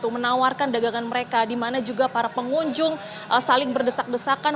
menawarkan dagangan mereka di mana juga para pengunjung saling berdesak desakan